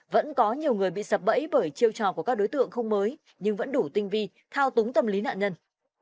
vẫn có nhiều người bị sập bẫy bởi chiêu trò của các đối tượng không mới nhưng vẫn đủ tinh vi thao túng tâm lý nạn nhân